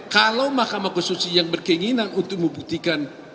kalau mahkamah konstitusi yang berkeinginan untuk membuktikan